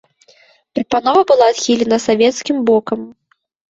Прапанова была адхілена савецкім бокам.